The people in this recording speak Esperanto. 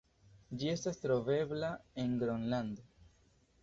Ĝi estas trovebla en Gronlando.